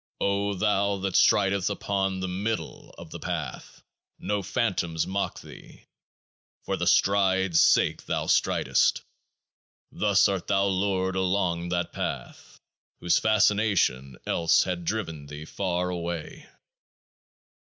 O thou that stridest upon the middle of The Path, no phantoms mock thee. For the stride's sake thou stridest. Thus art thou lured along That Path, whose fascination else had driven thee far away.